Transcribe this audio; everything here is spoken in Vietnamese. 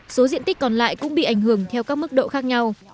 số diện tích còn lại cũng bị ảnh hưởng theo các mức độ khác nhau